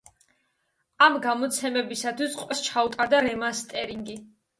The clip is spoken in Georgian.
ამ გამოცემებისათვის ყველა სიმღერას ჩაუტარდა რემასტერინგი.